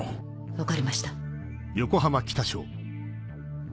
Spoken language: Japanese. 分かりました。